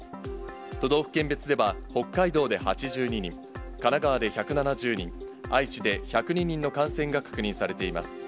都道府県別では、北海道で８２人、神奈川で１７０人、愛知で１０２人の感染が確認されています。